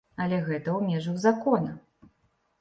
Але гэта ў межах закона.